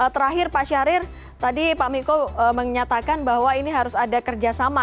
terakhir pak syahrir tadi pak miko menyatakan bahwa ini harus ada kerjasama